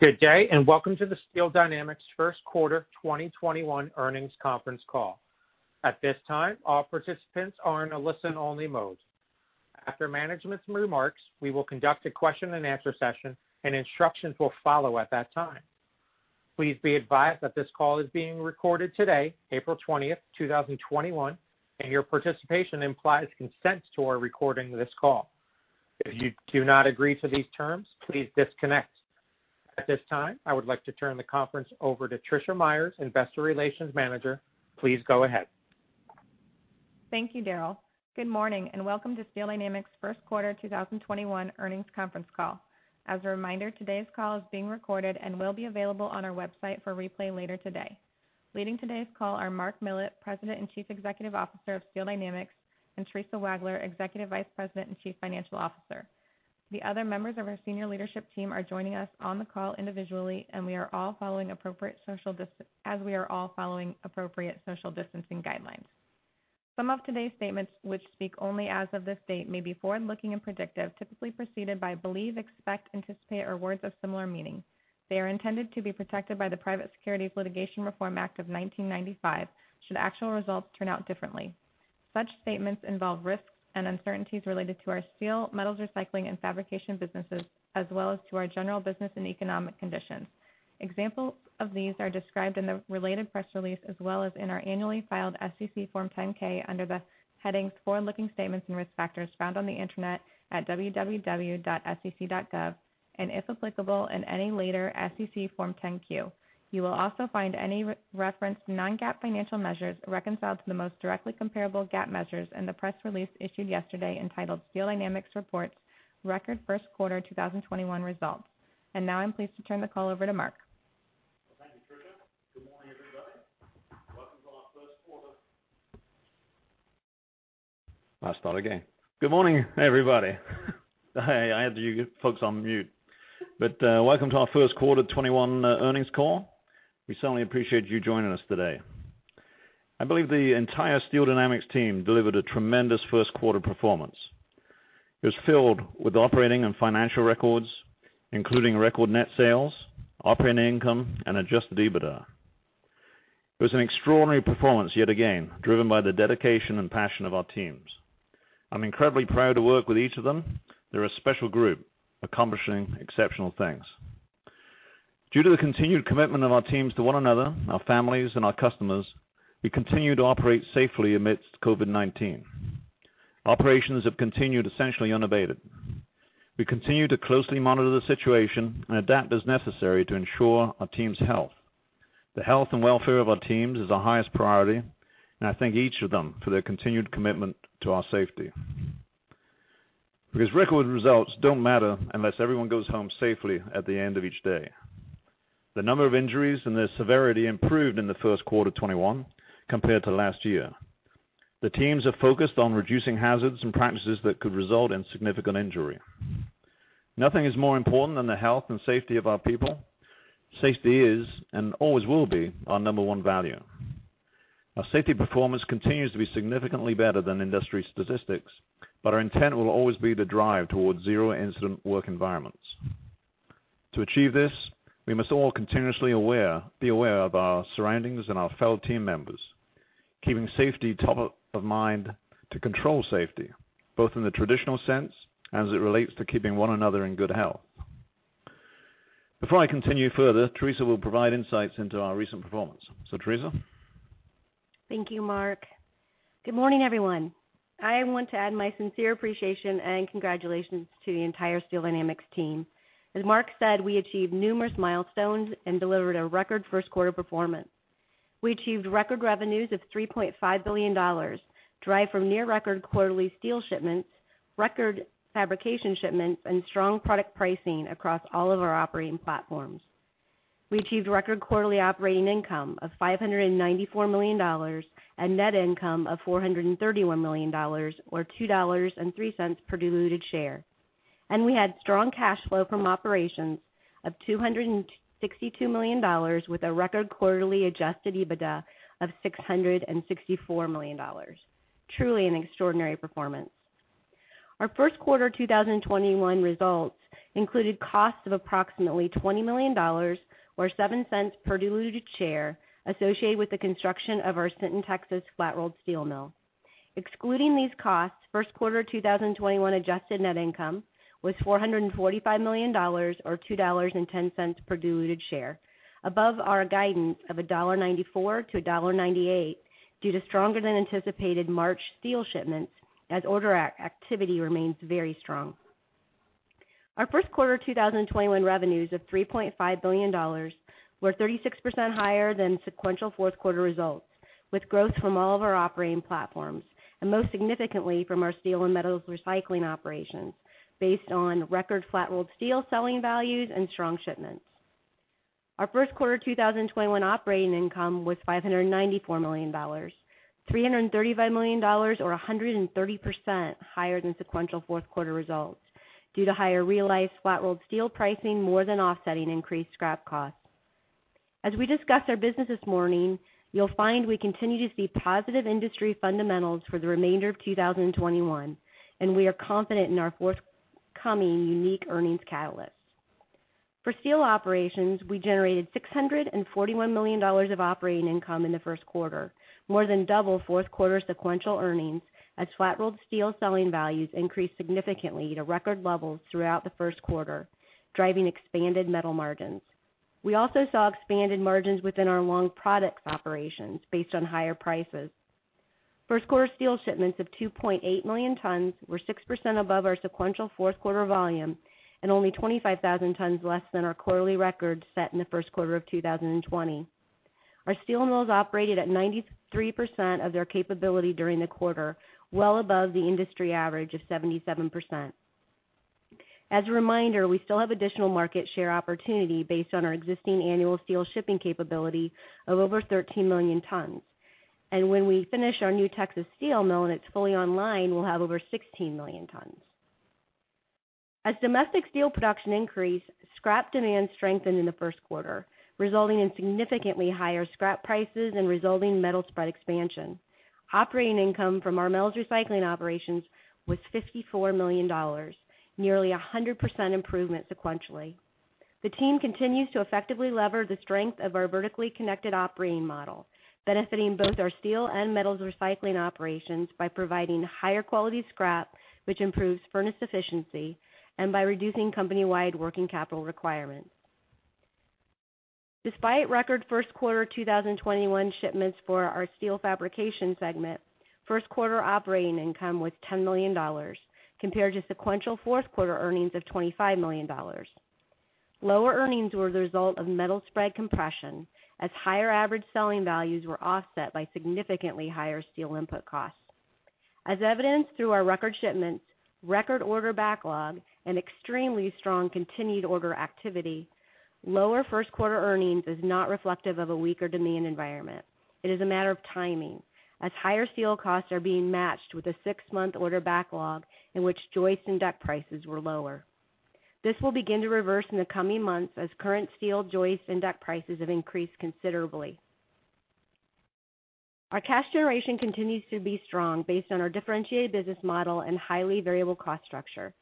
Good day, and welcome to the Steel Dynamics' First Quarter 2021 Earnings Conference Call. At this time, all participants are in a listen-only mode. After management's remarks, we will conduct a question and answer session, and instructions will follow at that time. Please be advised that this call is being recorded today, April 20th, 2021, and your participation implies consent to our recording this call. If you do not agree to these terms, please disconnect. At this time, I would like to turn the conference over to Tricia Meyers, Investor Relations Manager. Please go ahead. Thank you, Daryl. Good morning, and welcome to Steel Dynamics' First Quarter 2021 Earnings Conference Call. As a reminder, today's call is being recorded and will be available on our website for replay later today. Leading today's call are Mark Millett, President and Chief Executive Officer of Steel Dynamics, and Theresa Wagler, Executive Vice President and Chief Financial Officer. The other members of our senior leadership team are joining us on the call individually, as we are all following appropriate social distancing guidelines. Some of today's statements, which speak only as of this date, may be forward-looking and predictive, typically preceded by believe, expect, anticipate, or words of similar meaning. They are intended to be protected by the Private Securities Litigation Reform Act of 1995, should actual results turn out differently. Such statements involve risks and uncertainties related to our steel, metals recycling, and fabrication businesses, as well as to our general business and economic conditions. Examples of these are described in the related press release, as well as in our annually filed SEC Form 10-K under the headings Forward-Looking Statements and Risk Factors found on the internet at www.sec.gov and, if applicable, in any later SEC Form 10-Q. You will also find any referenced non-GAAP financial measures reconciled to the most directly comparable GAAP measures in the press release issued yesterday entitled Steel Dynamics Reports Record First Quarter 2021 Results. Now I'm pleased to turn the call over to Mark. Well, thank you, Tricia. Good morning, everybody. I'll start again. Good morning, everybody. I had you folks on mute. Welcome to our First Quarter 2021 Earnings Call. We certainly appreciate you joining us today. I believe the entire Steel Dynamics team delivered a tremendous first-quarter performance. It was filled with operating and financial records, including record net sales, operating income, and adjusted EBITDA. It was an extraordinary performance, yet again, driven by the dedication and passion of our teams. I'm incredibly proud to work with each of them. They're a special group, accomplishing exceptional things. Due to the continued commitment of our teams to one another, our families, and our customers, we continue to operate safely amidst COVID-19. Operations have continued essentially unabated. We continue to closely monitor the situation and adapt as necessary to ensure our team's health. The health and welfare of our teams is our highest priority, and I thank each of them for their continued commitment to our safety. Because record results don't matter unless everyone goes home safely at the end of each day. The number of injuries and their severity improved in the first quarter 2021 compared to last year. The teams are focused on reducing hazards and practices that could result in significant injury. Nothing is more important than the health and safety of our people. Safety is, and always will be, our number one value. Our safety performance continues to be significantly better than industry statistics, but our intent will always be to drive towards zero-incident work environments. To achieve this, we must all continuously be aware of our surroundings and our fellow team members, keeping safety top of mind to control safety, both in the traditional sense, and as it relates to keeping one another in good health. Before I continue further, Theresa will provide insights into our recent performance. Theresa? Thank you, Mark. Good morning, everyone. I want to add my sincere appreciation and congratulations to the entire Steel Dynamics team. As Mark said, we achieved numerous milestones and delivered a record first-quarter performance. We achieved record revenues of $3.5 billion, derived from near-record quarterly steel shipments, record fabrication shipments, and strong product pricing across all of our operating platforms. We achieved record quarterly operating income of $594 million and net income of $431 million, or $2.03 per diluted share. We had strong cash flow from operations of $262 million with a record quarterly adjusted EBITDA of $664 million. Truly an extraordinary performance. Our first quarter 2021 results included costs of approximately $20 million, or $0.07 per diluted share, associated with the construction of our Sinton, Texas, flat-rolled steel mill. Excluding these costs, first quarter 2021 adjusted net income was $445 million, or $2.10 per diluted share, above our guidance of $1.94-$1.98, due to stronger than anticipated March steel shipments as order activity remains very strong. Our first quarter 2021 revenues of $3.5 billion were 36% higher than sequential fourth quarter results, with growth from all of our operating platforms, and most significantly from our steel and metals recycling operations, based on record flat-rolled steel selling values and strong shipments. Our first quarter 2021 operating income was $594 million, $335 million or 130% higher than sequential fourth quarter results due to higher realized flat-rolled steel pricing more than offsetting increased scrap costs. As we discuss our business this morning, you'll find we continue to see positive industry fundamentals for the remainder of 2021, and we are confident in our forthcoming unique earnings catalysts. For steel operations, we generated $641 million of operating income in the first quarter, more than double fourth quarter sequential earnings, as flat-rolled steel selling values increased significantly to record levels throughout the first quarter, driving expanded metal margins. We also saw expanded margins within our long products operations based on higher prices. First quarter steel shipments of 2.8 million tons were 6% above our sequential fourth quarter volume and only 25,000 tons less than our quarterly record set in the first quarter of 2020. Our steel mills operated at 93% of their capability during the quarter, well above the industry average of 77%. As a reminder, we still have additional market share opportunity based on our existing annual steel shipping capability of over 13 million tons. When we finish our new Texas steel mill, and it's fully online, we'll have over 16 million tons. As domestic steel production increased, scrap demand strengthened in the first quarter, resulting in significantly higher scrap prices and resulting metal spread expansion. Operating income from our metals recycling operations was $54 million, nearly 100% improvement sequentially. The team continues to effectively lever the strength of our vertically connected operating model, benefiting both our steel and metals recycling operations by providing higher quality scrap, which improves furnace efficiency, and by reducing company-wide working capital requirements. Despite record first quarter 2021 shipments for our steel fabrication segment, first quarter operating income was $10 million compared to sequential Fourth quarter earnings of $25 million. Lower earnings were the result of metal spread compression as higher average selling values were offset by significantly higher steel input costs. As evidenced through our record shipments, record order backlog, and extremely strong continued order activity, lower first quarter earnings is not reflective of a weaker demand environment. It is a matter of timing, as higher steel costs are being matched with a six-month order backlog in which joist and deck prices were lower. This will begin to reverse in the coming months as current steel joist and deck prices have increased considerably. Our cash generation continues to be strong based on our differentiated business model and highly variable cost structure.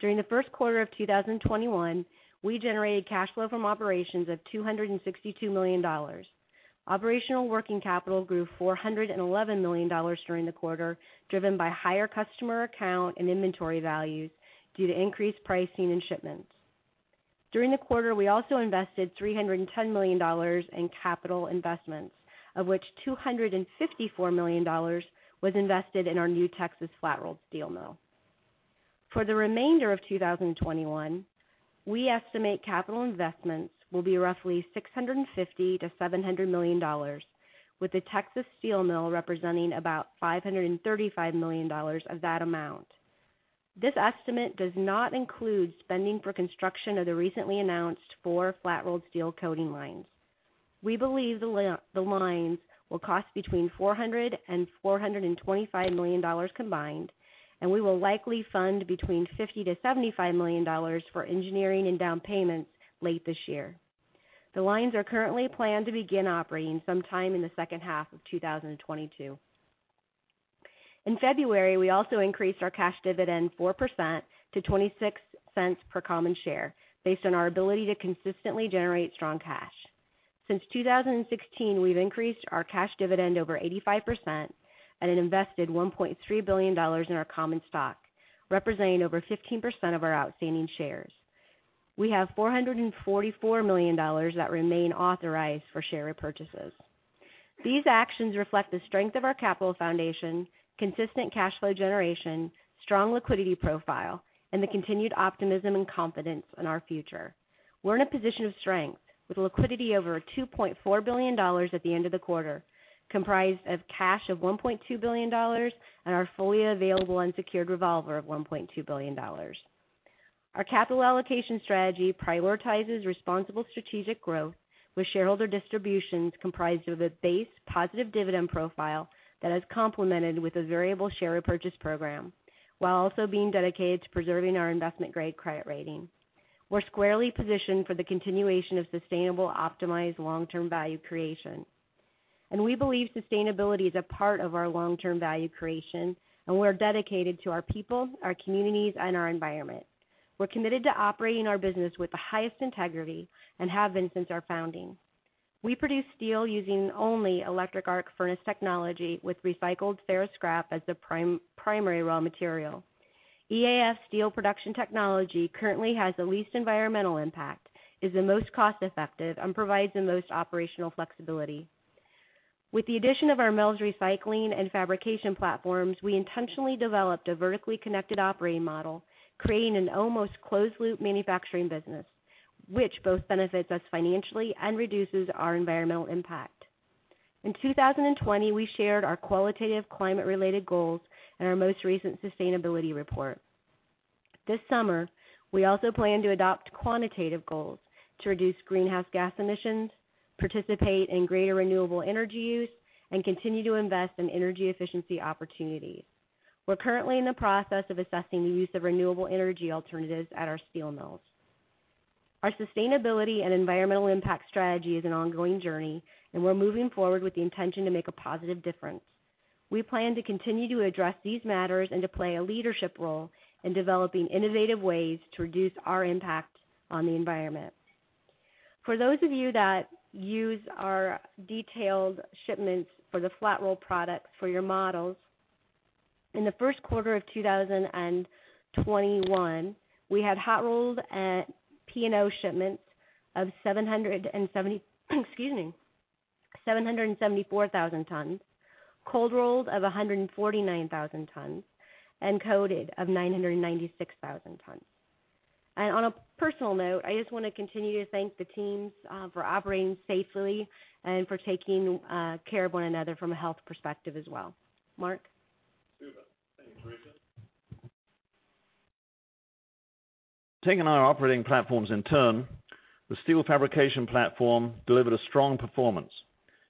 During the first quarter of 2021, we generated cash flow from operations of $262 million. Operational working capital grew $411 million during the quarter, driven by higher customer account and inventory values due to increased pricing and shipments. During the quarter, we also invested $310 million in capital investments, of which $254 million was invested in our new Texas flat rolled steel mill. For the remainder of 2021, we estimate capital investments will be roughly $650 million-$700 million, with the Texas steel mill representing about $535 million of that amount. This estimate does not include spending for construction of the recently announced four flat rolled steel coating lines. We believe the lines will cost between $400 million-$425 million combined, and we will likely fund between $50 million-$75 million for engineering and down payments late this year. The lines are currently planned to begin operating sometime in the second half of 2022. In February, we also increased our cash dividend 4% to $0.26 per common share, based on our ability to consistently generate strong cash. Since 2016, we've increased our cash dividend over 85% and invested $1.3 billion in our common stock, representing over 15% of our outstanding shares. We have $444 million that remain authorized for share repurchases. These actions reflect the strength of our capital foundation, consistent cash flow generation, strong liquidity profile, and the continued optimism and confidence in our future. We're in a position of strength, with liquidity over $2.4 billion at the end of the quarter, comprised of cash of $1.2 billion and our fully available unsecured revolver of $1.2 billion. Our capital allocation strategy prioritizes responsible strategic growth with shareholder distributions comprised of a base positive dividend profile that is complemented with a variable share repurchase program, while also being dedicated to preserving our investment-grade credit rating. We're squarely positioned for the continuation of sustainable, optimized long-term value creation. We believe sustainability is a part of our long-term value creation, and we're dedicated to our people, our communities, and our environment. We're committed to operating our business with the highest integrity and have been since our founding. We produce steel using only electric arc furnace technology with recycled ferrous scrap as the primary raw material. EAF steel production technology currently has the least environmental impact, is the most cost-effective, and provides the most operational flexibility. With the addition of our metals recycling and fabrication platforms, we intentionally developed a vertically connected operating model, creating an almost closed-loop manufacturing business, which both benefits us financially and reduces our environmental impact. In 2020, we shared our qualitative climate-related goals in our most recent sustainability report. This summer, we also plan to adopt quantitative goals to reduce greenhouse gas emissions, participate in greater renewable energy use, and continue to invest in energy efficiency opportunities. We're currently in the process of assessing the use of renewable energy alternatives at our steel mills. Our sustainability and environmental impact strategy is an ongoing journey, and we're moving forward with the intention to make a positive difference. We plan to continue to address these matters and to play a leadership role in developing innovative ways to reduce our impact on the environment. For those of you that use our detailed shipments for the flat-rolled product for your models, in the first quarter of 2021, we had hot-rolled P&O shipments of 774,000 tons, cold-rolled of 149,000 tons, and coated of 996,000 tons. On a personal note, I just want to continue to thank the teams for operating safely and for taking care of one another from a health perspective as well. Mark? Super. Thanks, Theresa. Taking our operating platforms in turn, the steel fabrication platform delivered a strong performance,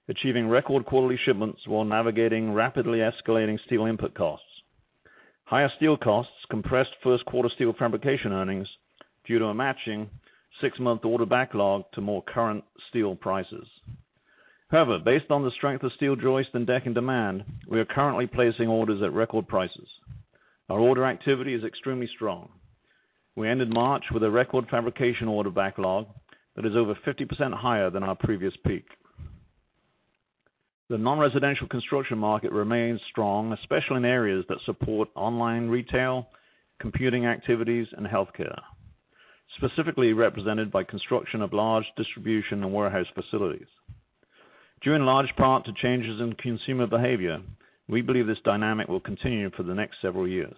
achieving record quarterly shipments while navigating rapidly escalating steel input costs. Higher steel costs compressed first quarter steel fabrication earnings due to a matching six-month order backlog to more current steel prices. Based on the strength of steel joist and decking demand, we are currently placing orders at record prices. Our order activity is extremely strong. We ended March with a record fabrication order backlog that is over 50% higher than our previous peak. The non-residential construction market remains strong, especially in areas that support online retail, computing activities, and healthcare, specifically represented by construction of large distribution and warehouse facilities. Due in large part to changes in consumer behavior, we believe this dynamic will continue for the next several years.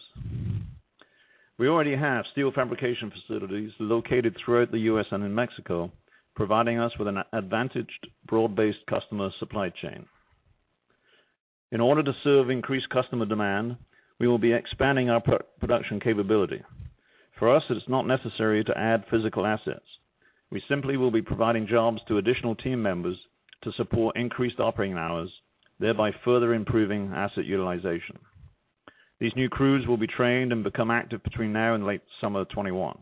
We already have steel fabrication facilities located throughout the U.S. and in Mexico, providing us with an advantaged, broad-based customer supply chain. In order to serve increased customer demand, we will be expanding our production capability. For us, it is not necessary to add physical assets. We simply will be providing jobs to additional team members to support increased operating hours, thereby further improving asset utilization. These new crews will be trained and become active between now and late summer of 2021,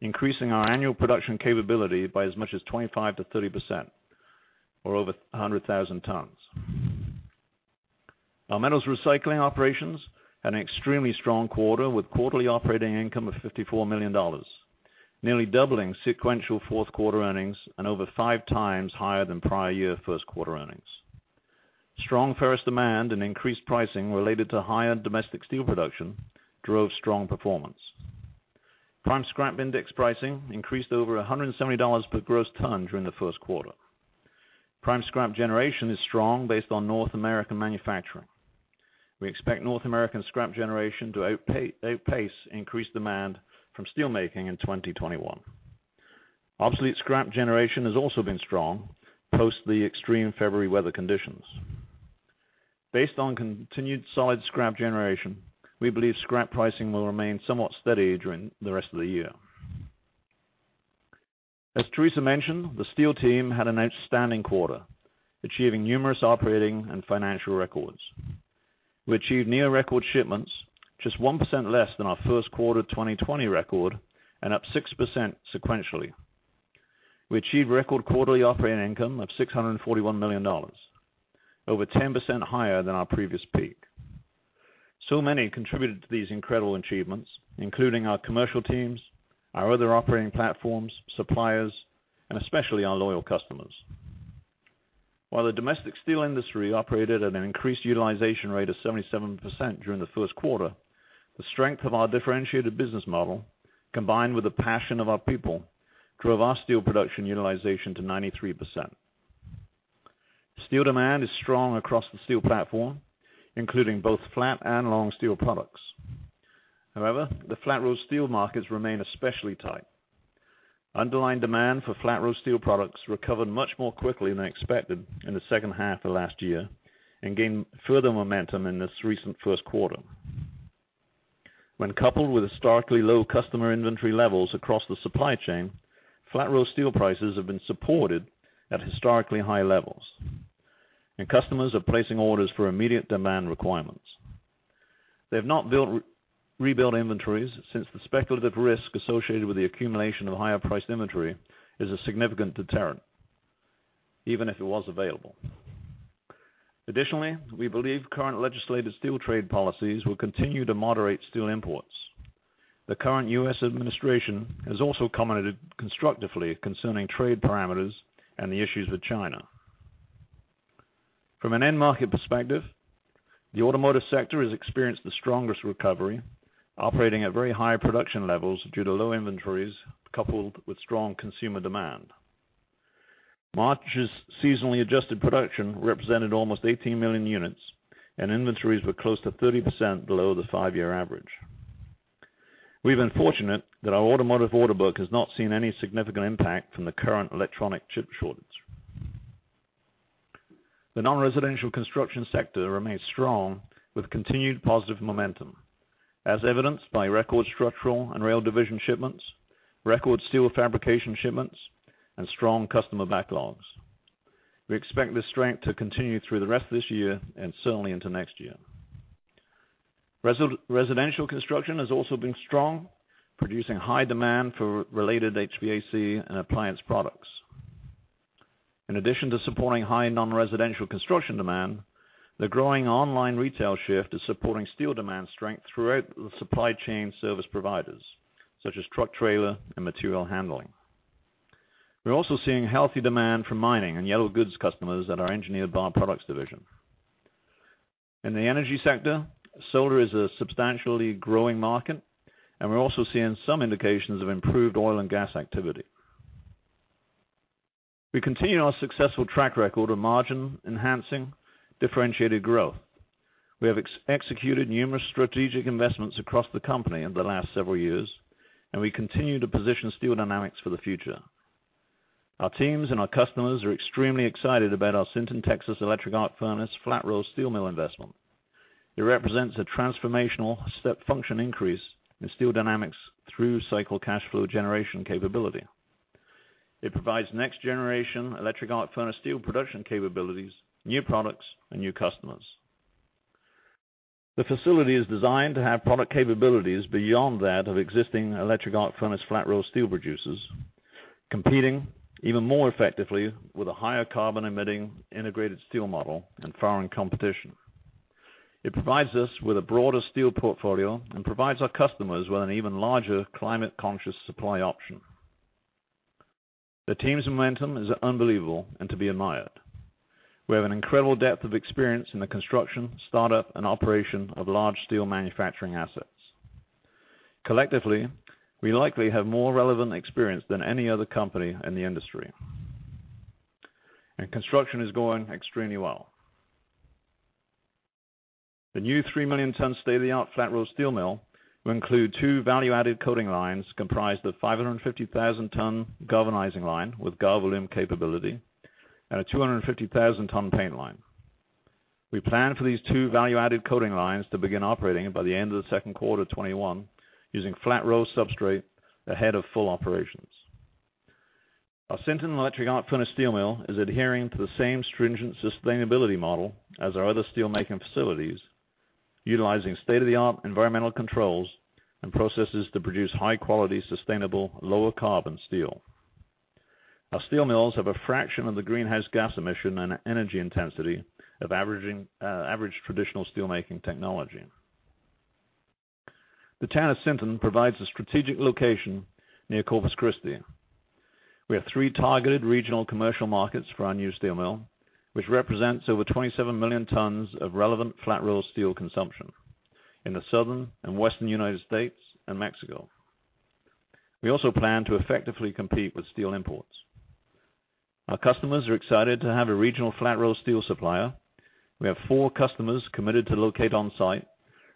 increasing our annual production capability by as much as 25%-30%, or over 100,000 tons. Our metals recycling operations had an extremely strong quarter, with quarterly operating income of $54 million, nearly doubling sequential fourth-quarter earnings and over five times higher than prior year first-quarter earnings. Strong ferrous demand and increased pricing related to higher domestic steel production drove strong performance. Prime scrap index pricing increased over $170 per gross ton during the first quarter. Prime scrap generation is strong based on North American manufacturing. We expect North American scrap generation to outpace increased demand from steel making in 2021. Obsolete scrap generation has also been strong post the extreme February weather conditions. Based on continued solid scrap generation, we believe scrap pricing will remain somewhat steady during the rest of the year. As Theresa mentioned, the steel team had an outstanding quarter, achieving numerous operating and financial records. We achieved near-record shipments, just 1% less than our first quarter 2020 record, and up 6% sequentially. We achieved record quarterly operating income of $641 million, over 10% higher than our previous peak. Many contributed to these incredible achievements, including our commercial teams, our other operating platforms, suppliers, and especially our loyal customers. While the domestic steel industry operated at an increased utilization rate of 77% during the first quarter, the strength of our differentiated business model, combined with the passion of our people, drove our steel production utilization to 93%. Steel demand is strong across the steel platform, including both flat and long steel products. The flat-rolled steel markets remain especially tight. Underlying demand for flat-rolled steel products recovered much more quickly than expected in the second half of last year and gained further momentum in this recent first quarter. When coupled with historically low customer inventory levels across the supply chain, flat-rolled steel prices have been supported at historically high levels, and customers are placing orders for immediate demand requirements. They have not rebuilt inventories since the speculative risk associated with the accumulation of higher-priced inventory is a significant deterrent, even if it was available. Additionally, we believe current legislative steel trade policies will continue to moderate steel imports. The current U.S. administration has also commented constructively concerning trade parameters and the issues with China. From an end-market perspective, the automotive sector has experienced the strongest recovery, operating at very high production levels due to low inventories coupled with strong consumer demand. March's seasonally adjusted production represented almost 18 million units, and inventories were close to 30% below the five-year average. We've been fortunate that our automotive order book has not seen any significant impact from the current electronic chip shortage. The non-residential construction sector remains strong with continued positive momentum, as evidenced by record structural and rail division shipments, record steel fabrication shipments, and strong customer backlogs. We expect the strength to continue through the rest of this year and certainly into next year. Residential construction has also been strong, producing high demand for related HVAC and appliance products. In addition to supporting high non-residential construction demand, the growing online retail shift is supporting steel demand strength throughout the supply chain service providers, such as truck trailer and material handling. We're also seeing healthy demand for mining and yellow goods customers at our engineered bar products division. In the energy sector, solar is a substantially growing market, and we're also seeing some indications of improved oil and gas activity. We continue our successful track record of margin enhancing differentiated growth. We have executed numerous strategic investments across the company in the last several years, and we continue to position Steel Dynamics for the future. Our teams and our customers are extremely excited about our Sinton, Texas electric arc furnace flat-rolled steel mill investment. It represents a transformational step function increase in Steel Dynamics through cycle cash flow generation capability. It provides next generation electric arc furnace steel production capabilities, new products, and new customers. The facility is designed to have product capabilities beyond that of existing electric arc furnace flat-rolled steel producers, competing even more effectively with a higher carbon emitting integrated steel model and foreign competition. It provides us with a broader steel portfolio and provides our customers with an even larger climate conscious supply option. The team's momentum is unbelievable and to be admired. We have an incredible depth of experience in the construction, startup, and operation of large steel manufacturing assets. Collectively, we likely have more relevant experience than any other company in the industry. And construction is going extremely well. The new 3 million ton state-of-the-art flat roll steel mill will include two value-added coating lines comprised of 550,000 ton galvanizing line with Galvalume capability and a 250,000 ton paint line. We plan for these two value-added coating lines to begin operating by the end of the second quarter 2021 using flat-rolled substrate ahead of full operations. Our Sinton electric arc furnace steel mill is adhering to the same stringent sustainability model as our other steelmaking facilities, utilizing state-of-the-art environmental controls and processes to produce high-quality, sustainable, lower-carbon steel. Our steel mills have a fraction of the greenhouse gas emission and energy intensity of average traditional steelmaking technology. The town of Sinton provides a strategic location near Corpus Christi. We have three targeted regional commercial markets for our new steel mill, which represents over 27 million tons of relevant flat-rolled steel consumption in the Southern and Western U.S. and Mexico. We also plan to effectively compete with steel imports. Our customers are excited to have a regional flat-rolled steel supplier. We have four customers committed to locate on-site,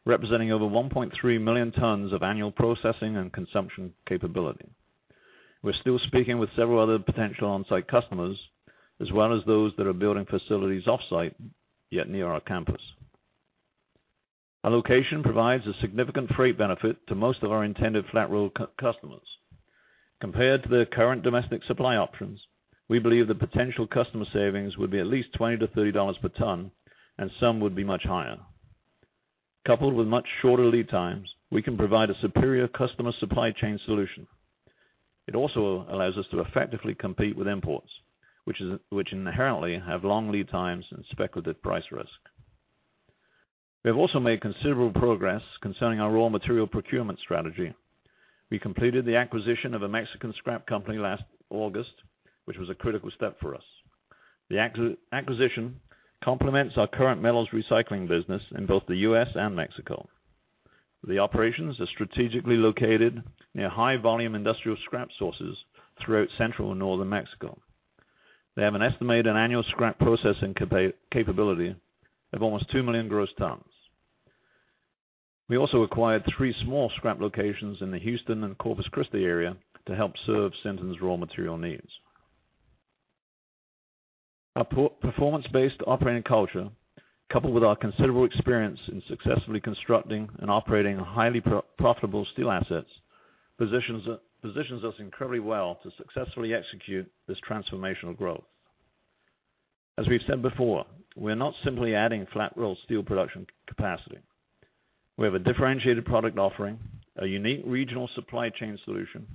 representing over 1.3 million tons of annual processing and consumption capability. We're still speaking with several other potential on-site customers, as well as those that are building facilities off-site, yet near our campus. Our location provides a significant freight benefit to most of our intended flat-rolled customers. Compared to the current domestic supply options, we believe the potential customer savings would be at least $20-$30 per ton, and some would be much higher. Coupled with much shorter lead times, we can provide a superior customer supply chain solution. It also allows us to effectively compete with imports, which inherently have long lead times and speculative price risk. We have also made considerable progress concerning our raw material procurement strategy. We completed the acquisition of a Mexican scrap company last August, which was a critical step for us. The acquisition complements our current metals recycling business in both the U.S. and Mexico. The operations are strategically located near high volume industrial scrap sources throughout central and northern Mexico. They have an estimated annual scrap processing capability of almost 2 million gross tons. We also acquired three small scrap locations in the Houston and Corpus Christi area to help serve Sinton's raw material needs. Our performance-based operating culture, coupled with our considerable experience in successfully constructing and operating highly profitable steel assets, positions us incredibly well to successfully execute this transformational growth. As we've said before, we're not simply adding flat-rolled steel production capacity. We have a differentiated product offering, a unique regional supply chain solution,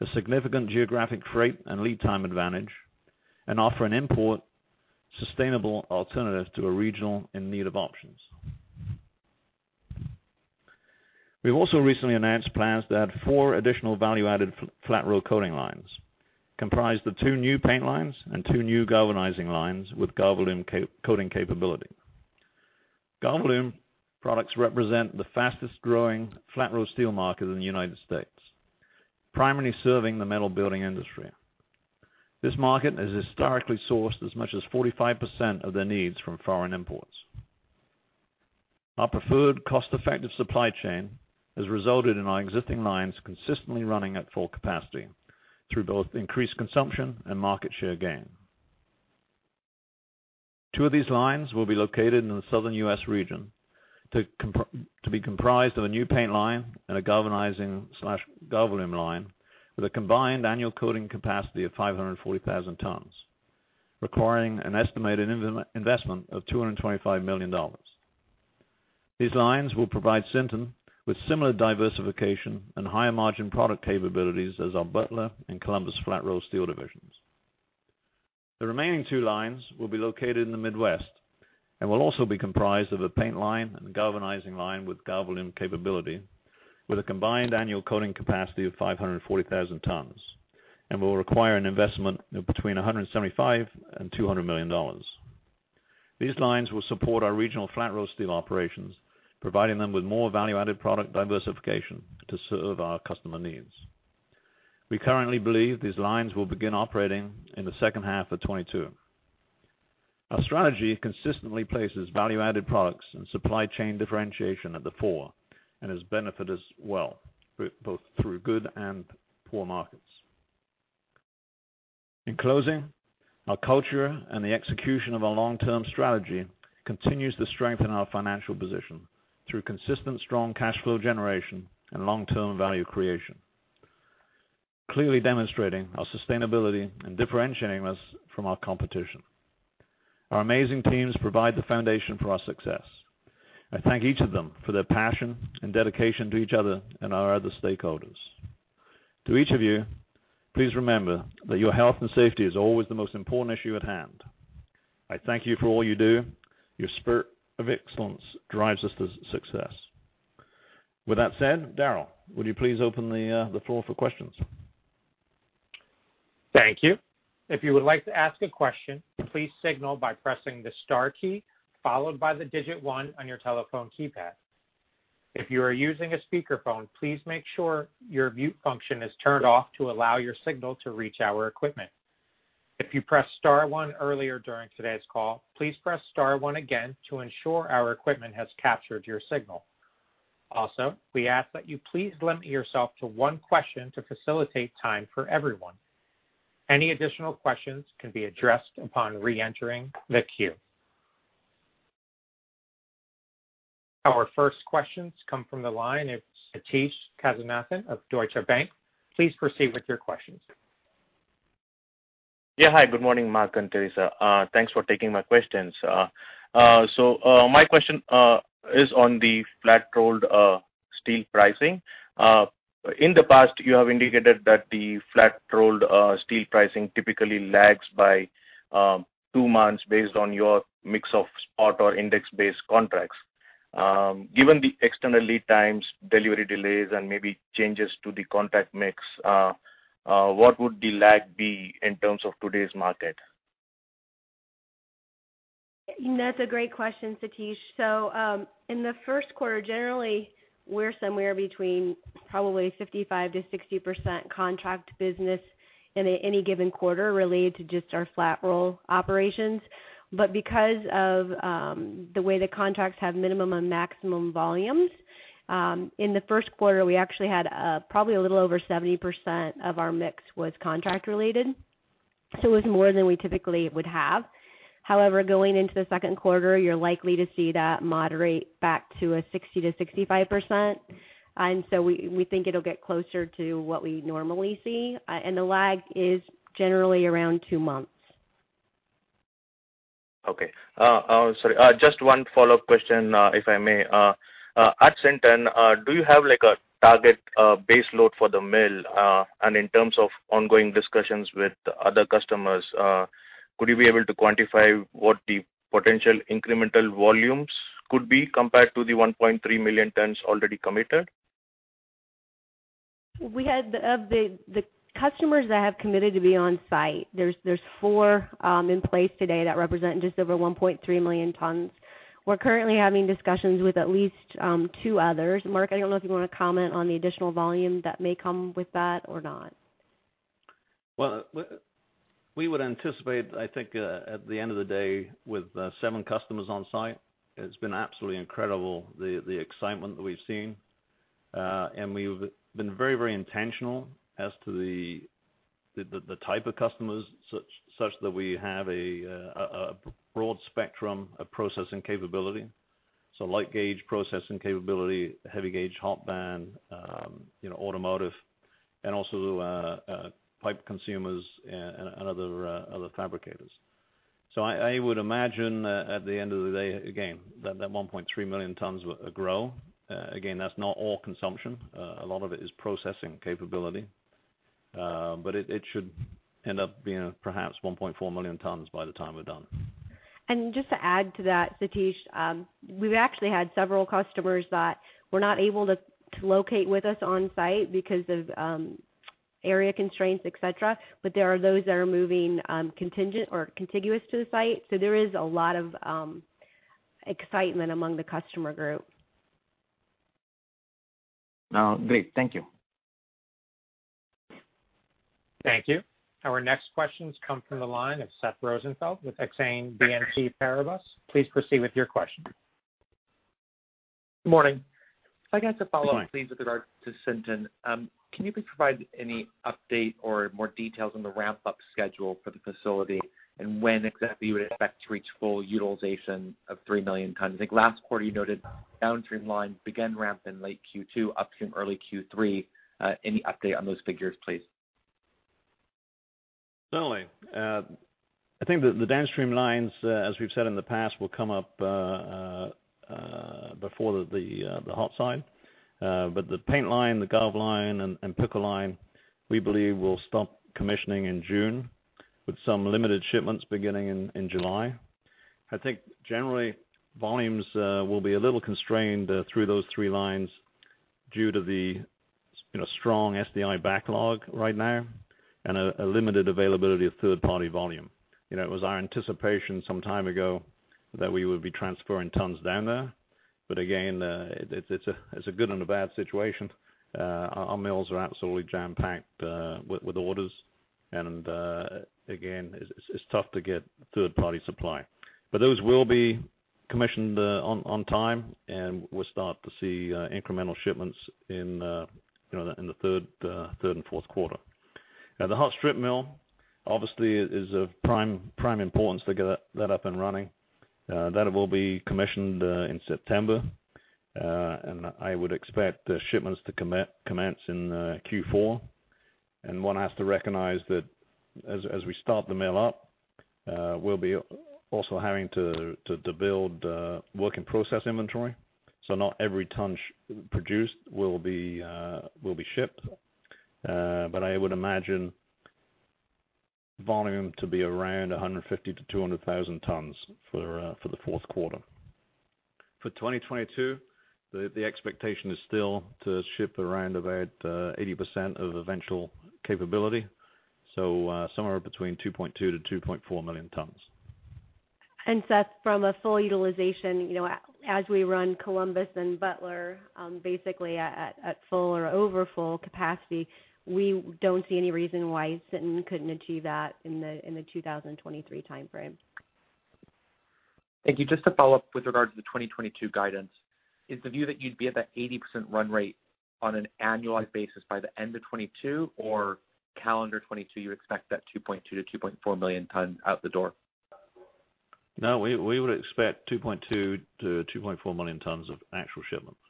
a significant geographic freight and lead time advantage, and offer an import sustainable alternative to a region in need of options. We've also recently announced plans to add four additional value-added flat-rolled coating lines, comprised of two new paint lines and two new galvanizing lines with Galvalume coating capability. Galvalume products represent the fastest growing flat-rolled steel market in the United States, primarily serving the metal building industry. This market has historically sourced as much as 45% of their needs from foreign imports. Our preferred cost-effective supply chain has resulted in our existing lines consistently running at full capacity through both increased consumption and market share gain. Two of these lines will be located in the Southern U.S. region to be comprised of a new paint line and a galvanizing/Galvalume line with a combined annual coating capacity of 540,000 tons, requiring an estimated investment of $225 million. These lines will provide Sinton with similar diversification and higher margin product capabilities as our Butler and Columbus Flat Roll Divisions. The remaining two lines will be located in the Midwest and will also be comprised of a paint line and galvanizing line with Galvalume capability, with a combined annual coating capacity of 540,000 tons, and will require an investment between $175 million and $200 million. These lines will support our regional flat-rolled steel operations, providing them with more value-added product diversification to serve our customer needs. We currently believe these lines will begin operating in the second half of 2022. Our strategy consistently places value-added products and supply chain differentiation at the fore and has benefited us well, both through good and poor markets. In closing, our culture and the execution of our long-term strategy continues to strengthen our financial position through consistent strong cash flow generation and long-term value creation, clearly demonstrating our sustainability and differentiating us from our competition. Our amazing teams provide the foundation for our success. I thank each of them for their passion and dedication to each other and our other stakeholders. To each of you, please remember that your health and safety is always the most important issue at hand. I thank you for all you do. Your spirit of excellence drives us to success. With that said, Daryl, would you please open the floor for questions? Thank you. If you would like to ask a question, please signal by pressing the star key, followed by the digit one on your telephone keypad. If you are using a speakerphone, please make sure your mute function is turned off to allow your signal to reach our equipment. If you pressed star one earlier during today's call, please press star one again to ensure our equipment has captured your signal. Also, we ask that you please limit yourself to one question to facilitate time for everyone. Any additional questions can be addressed upon reentering the queue. Our first questions come from the line of Sathish Kasinathan of Deutsche Bank. Please proceed with your questions. Yeah. Hi, good morning, Mark and Theresa. Thanks for taking my questions. My question is on the flat-rolled steel pricing. In the past, you have indicated that the flat-rolled steel pricing typically lags by two months based on your mix of spot or index-based contracts. Given the extended lead times, delivery delays, and maybe changes to the contract mix, what would the lag be in terms of today's market? That's a great question, Sathish. In the first quarter, generally, we're somewhere between probably 55%-60% contract business in any given quarter related to just our flat roll operations. Because of the way the contracts have minimum and maximum volumes, in the first quarter, we actually had, probably a little over 70% of our mix was contract related, so it was more than we typically would have. Going into the second quarter, you're likely to see that moderate back to a 60%-65%. We think it'll get closer to what we normally see. The lag is generally around two months. Okay. Sorry, just one follow-up question, if I may. At Sinton, do you have a target base load for the mill? In terms of ongoing discussions with other customers, could you be able to quantify what the potential incremental volumes could be compared to the 1.3 million tons already committed? Of the customers that have committed to be on-site, there's four in place today that represent just over 1.3 million tons. We're currently having discussions with at least two others. Mark, I don't know if you want to comment on the additional volume that may come with that or not. Well, we would anticipate, I think, at the end of the day, with seven customers on-site, it's been absolutely incredible the excitement that we've seen. We've been very intentional as to the type of customers, such that we have a broad spectrum of processing capability. Light gauge processing capability, heavy gauge, hot band, automotive, and also pipe consumers and other fabricators. I would imagine that at the end of the day, again, that 1.3 million tons will grow. Again, that's not all consumption. A lot of it is processing capability. It should end up being perhaps 1.4 million tons by the time we're done. Just to add to that, Sathish, we've actually had several customers that were not able to locate with us on-site because of area constraints, et cetera, but there are those that are moving contingent or contiguous to the site. There is a lot of excitement among the customer group. Great. Thank you. Thank you. Our next questions come from the line of Seth Rosenfeld with Exane BNP Paribas. Please proceed with your question. Morning. Good morning. If I could ask a follow-up, please, with regard to Sinton. Can you please provide any update or more details on the ramp-up schedule for the facility and when exactly you would expect to reach full utilization of 3 million tons? I think last quarter you noted downstream lines begin ramp in late Q2, upstream early Q3. Any update on those figures, please? Certainly. I think that the downstream lines, as we've said in the past, will come up before the hot side. The paint line, the galv line, and pickle line, we believe will start commissioning in June, with some limited shipments beginning in July. I think generally, volumes will be a little constrained through those three lines due to the strong SDI backlog right now and a limited availability of third-party volume. It was our anticipation some time ago that we would be transferring tons down there. Again, it's a good and a bad situation. Our mills are absolutely jam-packed with orders, and again, it's tough to get third-party supply. Those will be commissioned on time, and we'll start to see incremental shipments in the third and fourth quarter. Now, the hot strip mill, obviously, is of prime importance to get that up and running. That will be commissioned in September. I would expect the shipments to commence in Q4. One has to recognize that as we start the mill up, we'll be also having to build work-in-process inventory. Not every ton produced will be shipped. I would imagine volume to be around 150,000-200,000 tons for the fourth quarter. For 2022, the expectation is still to ship around about 80% of eventual capability. Somewhere between 2.2 million-2.4 million tons. Seth, from a full utilization, as we run Columbus and Butler basically at full or over full capacity, we don't see any reason why Sinton couldn't achieve that in the 2023 timeframe. Thank you. Just to follow up with regards to the 2022 guidance, is the view that you'd be at that 80% run rate on an annualized basis by the end of 2022, or calendar 2022, you expect that 2.2 million-2.4 million ton out the door? No, we would expect 2.2 million-2.4 million tons of actual shipments.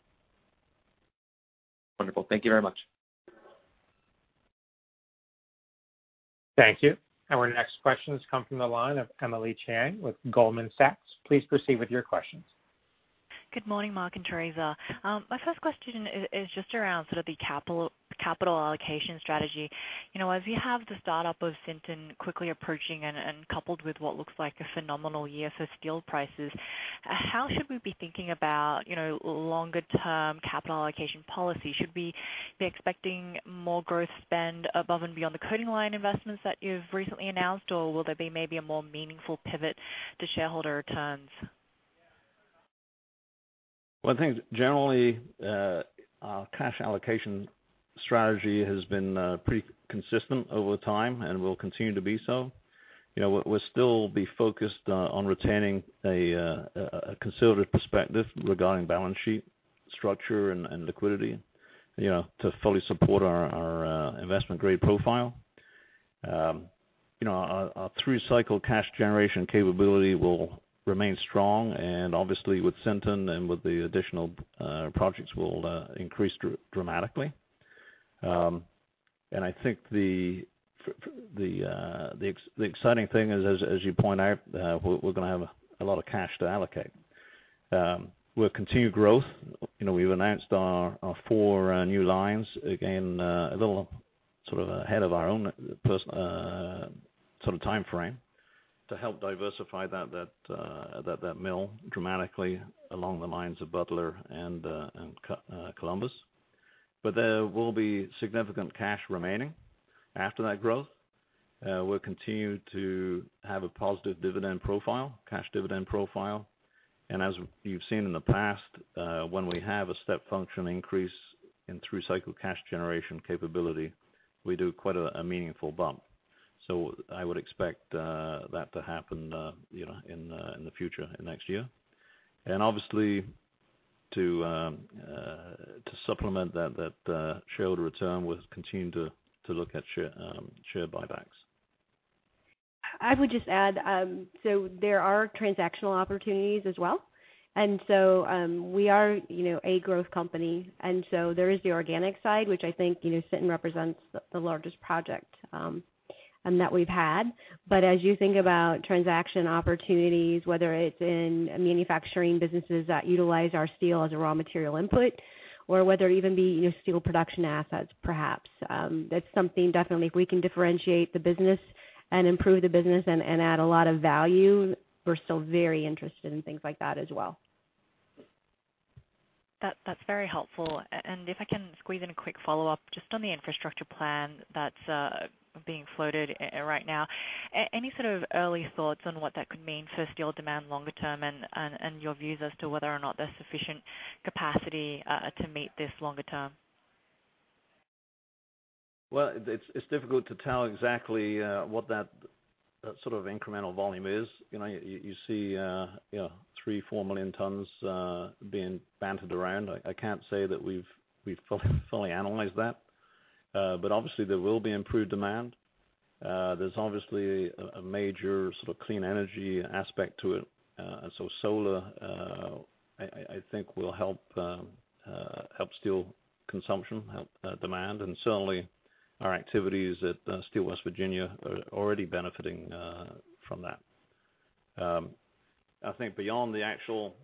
Wonderful. Thank you very much. Thank you. Our next questions come from the line of Emily Chieng with Goldman Sachs. Please proceed with your questions. Good morning, Mark and Theresa. My first question is just around the capital allocation strategy. As we have the start-up of Sinton quickly approaching and coupled with what looks like a phenomenal year for steel prices, how should we be thinking about longer-term capital allocation policy? Should we be expecting more growth spend above and beyond the coating line investments that you've recently announced, or will there be maybe a more meaningful pivot to shareholder returns? Well, I think, generally, our cash allocation strategy has been pretty consistent over time and will continue to be so. We'll still be focused on retaining a conservative perspective regarding balance sheet structure and liquidity to fully support our investment-grade profile. Our through-cycle cash generation capability will remain strong, and obviously, with Sinton and with the additional projects, will increase dramatically. I think the exciting thing is, as you point out, we're going to have a lot of cash to allocate. We'll continue growth. We've announced our four new lines, again, a little ahead of our own personal timeframe to help diversify that mill dramatically along the lines of Butler and Columbus. There will be significant cash remaining after that growth. We'll continue to have a positive dividend profile, cash dividend profile. As you've seen in the past, when we have a step function increase in through-cycle cash generation capability, we do quite a meaningful bump. I would expect that to happen in the future, next year. Obviously, to supplement that shareholder return, we'll continue to look at share buybacks. I would just add, there are transactional opportunities as well. We are a growth company, there is the organic side, which I think Sinton represents the largest project that we've had. As you think about transaction opportunities, whether it's in manufacturing businesses that utilize our steel as a raw material input, or whether it even be your steel production assets perhaps, that's something definitely if we can differentiate the business and improve the business and add a lot of value, we're still very interested in things like that as well. That's very helpful. If I can squeeze in a quick follow-up, just on the infrastructure plan that's being floated right now. Any sort of early thoughts on what that could mean for steel demand longer term and your views as to whether or not there's sufficient capacity to meet this longer term? Well, it's difficult to tell exactly what that sort of incremental volume is. You see 3 million, 4 million tons being bantered around. I can't say that we've fully analyzed that. Obviously there will be improved demand. There's obviously a major sort of clean energy aspect to it. Solar, I think, will help steel consumption, help demand, and certainly our activities at Steel of West Virginia are already benefiting from that. I think beyond the actual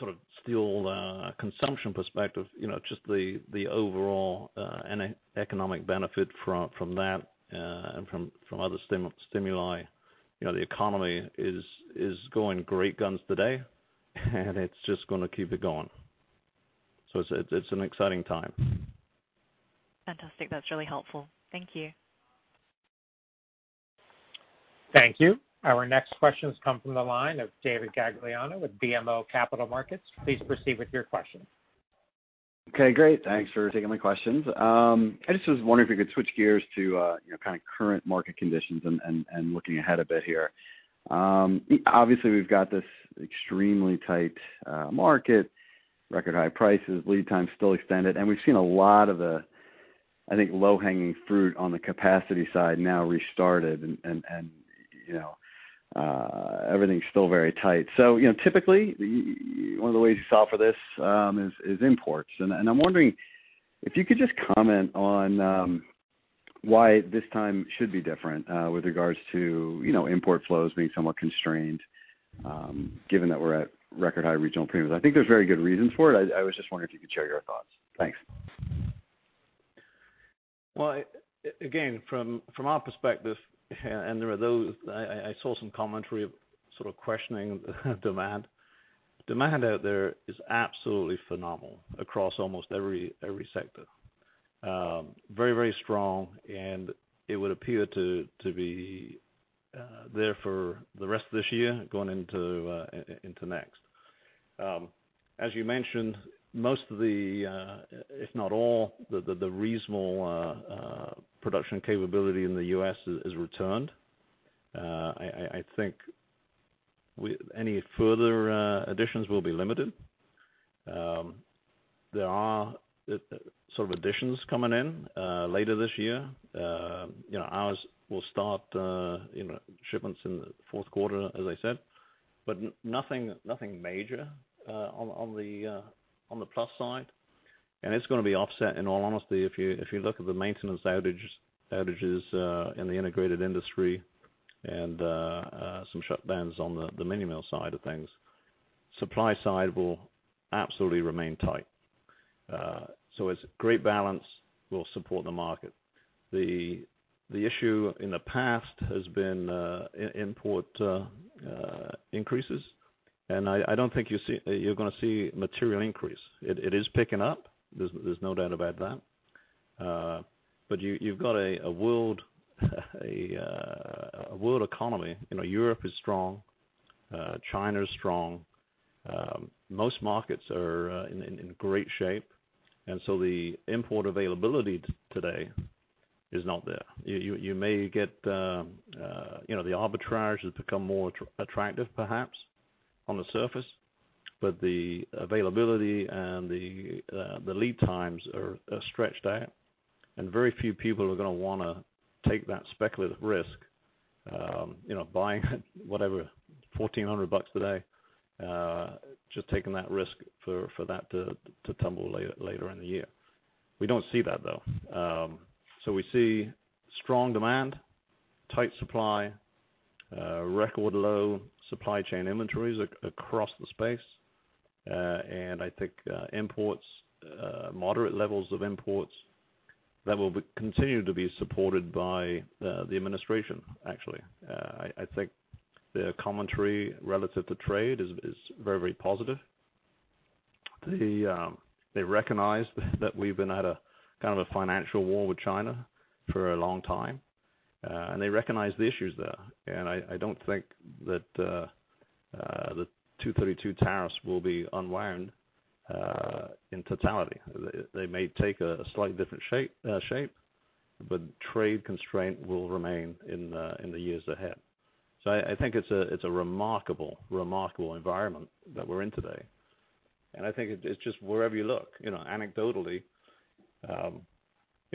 sort of steel consumption perspective, just the overall economic benefit from that and from other stimuli. The economy is going great guns today, and it's just going to keep it going. It's an exciting time. Fantastic. That's really helpful. Thank you. Thank you. Our next questions come from the line of David Gagliano with BMO Capital Markets. Please proceed with your question. Okay, great. Thanks for taking my questions. I just was wondering if you could switch gears to kind of current market conditions and looking ahead a bit here. Obviously, we've got this extremely tight market, record high prices, lead times still extended, and we've seen a lot of the, I think, low-hanging fruit on the capacity side now restarted and everything's still very tight. Typically, one of the ways you solve for this is imports. I'm wondering if you could just comment on why this time should be different with regards to import flows being somewhat constrained, given that we're at record high regional premiums. I think there's very good reasons for it. I was just wondering if you could share your thoughts. Thanks. Well, again, from our perspective, and I saw some commentary sort of questioning demand. Demand out there is absolutely phenomenal across almost every sector. Very strong, and it would appear to be there for the rest of this year, going into next. As you mentioned, most of the, if not all, the reasonable production capability in the U.S. is returned. I think any further additions will be limited. There are sort of additions coming in later this year. Ours will start shipments in the fourth quarter, as I said, but nothing major on the plus side. And it's going to be offset, in all honesty, if you look at the maintenance outages in the integrated industry and some shutdowns on the mini-mill side of things. Supply side will absolutely remain tight. So it's a great balance will support the market. The issue in the past has been import increases, and I don't think you're going to see a material increase. It is picking up. There's no doubt about that. You've got a world economy. Europe is strong. China is strong. Most markets are in great shape. The import availability today is not there. You may get the arbitrage has become more attractive, perhaps, on the surface. The availability and the lead times are stretched out, and very few people are going to want to take that speculative risk, buying whatever, $1,400 today, just taking that risk for that to tumble later in the year. We don't see that, though. We see strong demand, tight supply, record low supply chain inventories across the space. I think imports, moderate levels of imports, that will continue to be supported by the administration, actually. I think their commentary relative to trade is very positive. They recognize that we've been at a kind of a financial war with China for a long time. They recognize the issues there, and I don't think that the 232 tariffs will be unwound in totality. They may take a slightly different shape, but trade constraint will remain in the years ahead. I think it's a remarkable environment that we're in today. I think it's just wherever you look, anecdotally,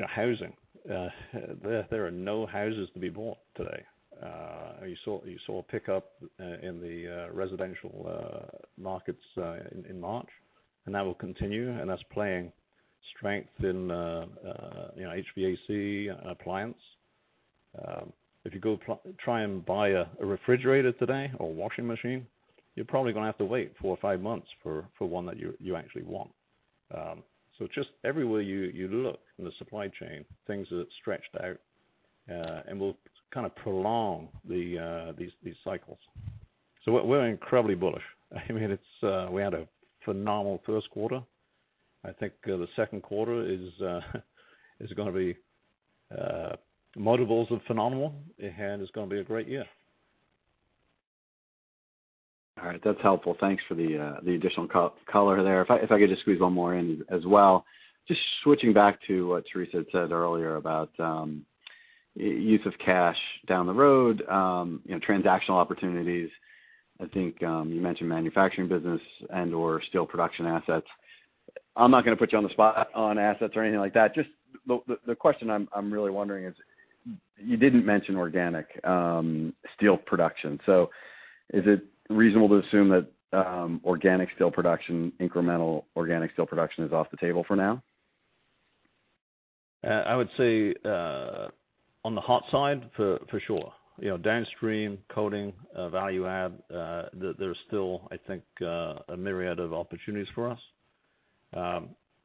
housing. There are no houses to be bought today. You saw a pickup in the residential markets in March, and that will continue, and that's playing strength in HVAC and appliance. If you go try and buy a refrigerator today or washing machine, you're probably going to have to wait four or five months for one that you actually want. Just everywhere you look in the supply chain, things are stretched out and will kind of prolong these cycles. We're incredibly bullish. I mean, we had a phenomenal first quarter. I think the second quarter is going to be multiples of phenomenal, and it's going to be a great year. All right. That's helpful. Thanks for the additional color there. If I could just squeeze one more in as well. Just switching back to what Theresa had said earlier about use of cash down the road, transactional opportunities. I think you mentioned manufacturing business and/or steel production assets. I'm not going to put you on the spot on assets or anything like that. Just the question I'm really wondering is, you didn't mention organic steel production. Is it reasonable to assume that organic steel production, incremental organic steel production is off the table for now? I would say on the hot side for sure. Downstream, coating, value add, there is still, I think, a myriad of opportunities for us.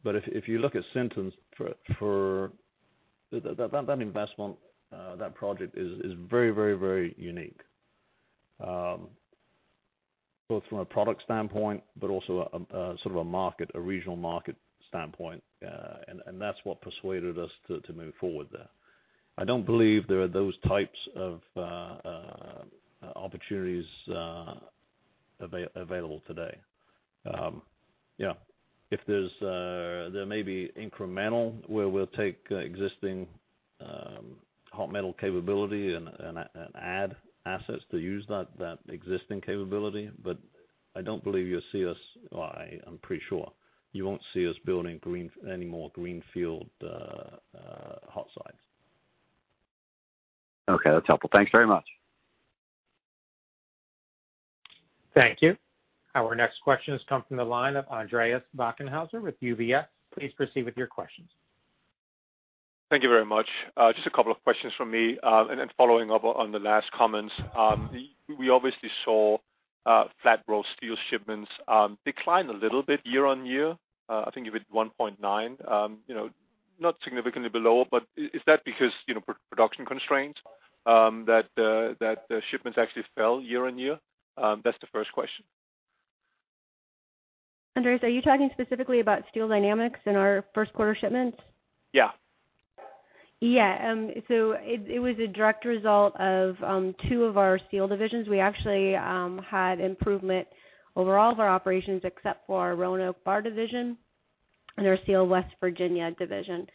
But, if you look at Sinton, that investment, that project is very unique, both from a product standpoint, but also sort of a regional market standpoint. That's what persuaded us to move forward there. I don't believe there are those types of opportunities available today. There may be incremental, where we'll take existing hot metal capability and add assets to use that existing capability. I don't believe you'll see us, I'm pretty sure you won't see us building any more greenfield hot sites. Okay. That's helpful. Thanks very much. Thank you. Our next question comes from the line of Andreas Bokkenheuser with UBS. Please proceed with your questions. Thank you very much. Just a couple of questions from me, and then following up on the last comments. We obviously saw flat-rolled steel shipments decline a little bit year-over-year. I think it was 1.9. Not significantly below, is that because production constraints that shipments actually fell year-over-year? That's the first question. Andreas, are you talking specifically about Steel Dynamics and our first quarter shipments? Yeah. Yeah. It was a direct result of two of our steel divisions. We actually had improvement over all of our operations except for our Roanoke Bar Division and our Steel of West Virginia division.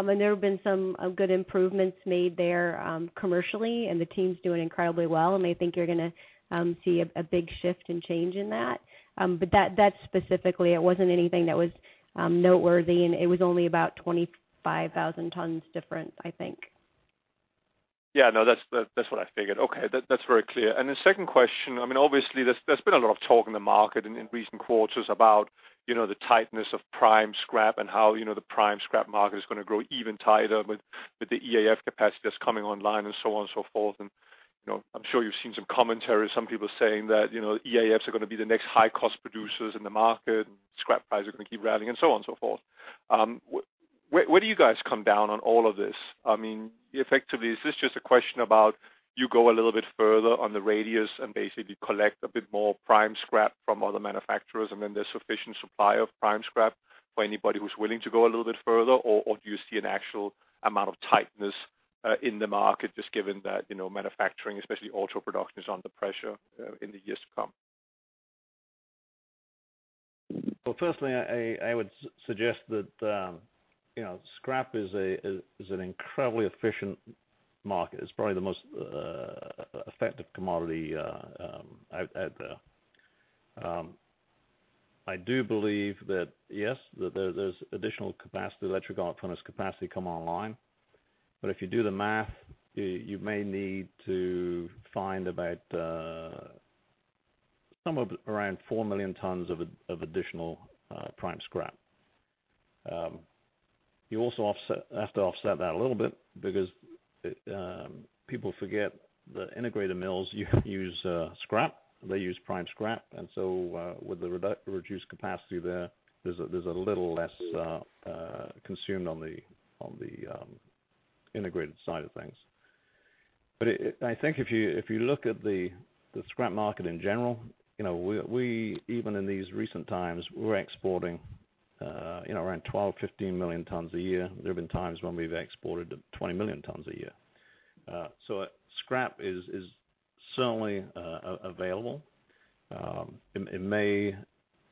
There have been some good improvements made there commercially, and the team's doing incredibly well. I think you're going to see a big shift and change in that. That specifically, it wasn't anything that was noteworthy, and it was only about 25,000 tons difference, I think. Yeah. No, that's what I figured. Okay. That's very clear. The second question, obviously, there's been a lot of talk in the market in recent quarters about the tightness of prime scrap and how the prime scrap market is going to grow even tighter with the EAF capacity that's coming online and so on and so forth. I'm sure you've seen some commentary, some people saying that EAFs are going to be the next high-cost producers in the market, scrap prices are going to keep rallying and so on and so forth. Where do you guys come down on all of this? Effectively, is this just a question about you go a little bit further on the radius and basically collect a bit more prime scrap from other manufacturers, and then there's sufficient supply of prime scrap for anybody who's willing to go a little bit further? Or, do you see an actual amount of tightness in the market, just given that manufacturing, especially auto production, is under pressure in the years to come? Well, firstly, I would suggest that scrap is an incredibly efficient market. It's probably the most effective commodity out there. I do believe that, yes, there's additional electric arc furnace capacity come online. If you do the math, you may need to find about somewhere around 4 million tons of additional prime scrap. You also have to offset that a little bit because people forget that integrated mills use scrap. They use prime scrap. With the reduced capacity there's a little less consumed on the integrated side of things. I think if you look at the scrap market in general, even in these recent times, we're exporting around 12 million, 15 million tons a year. There have been times when we've exported 20 million tons a year. Scrap is certainly available. It may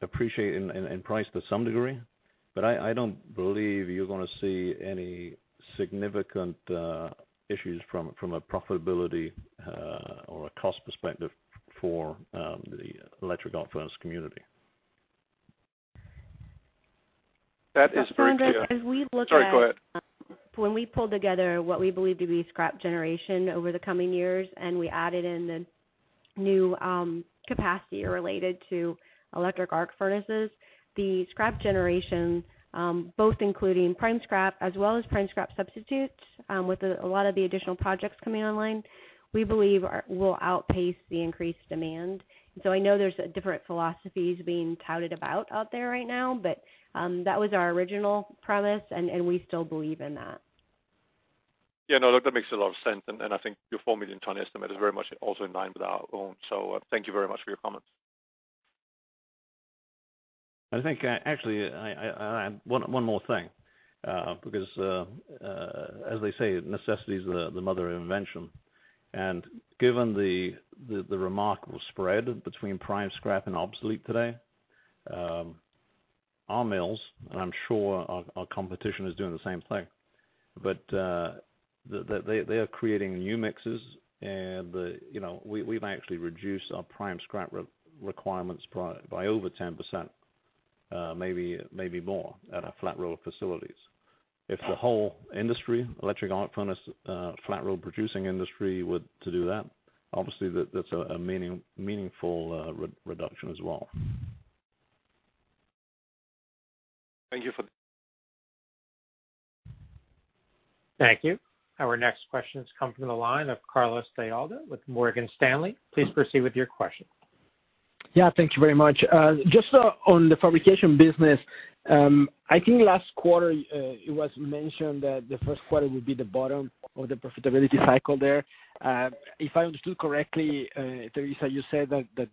appreciate in price to some degree, but I don't believe you're going to see any significant issues from a profitability or a cost perspective for the electric arc furnace community. That is very clear. As we look at... Sorry, go ahead... When we pulled together what we believe to be scrap generation over the coming years, and we added in the new capacity related to electric arc furnaces, the scrap generation both including prime scrap as well as prime scrap substitutes with a lot of the additional projects coming online, we believe will outpace the increased demand. I know there's different philosophies being touted about out there right now, but that was our original premise, and we still believe in that. Yeah. Now, that makes a lot of sense. I think your 4 million ton estimate is very much also in line with our own. Thank you very much for your comments. I think actually, one more thing, because, as they say, necessity is the mother of invention. Given the remarkable spread between prime scrap and obsolete today, our mills, and I'm sure our competition is doing the same thing. They are creating new mixes and we might actually reduce our prime scrap requirements by over 10%, maybe more at our flat roll facilities. If the whole industry, electric arc furnace, flat roll producing industry were to do that, obviously, that's a meaningful reduction as well. Thank you. Thank you. Our next question comes from the line of Carlos De Alba with Morgan Stanley. Please proceed with your question. Yeah, thank you very much. Just on the fabrication business. I think last quarter, it was mentioned that the first quarter would be the bottom of the profitability cycle there. If I understood correctly, Theresa, you said that